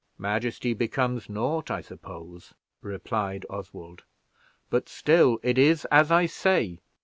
"Majesty becomes naught, I suppose," replied Oswald; "but still it is as I say.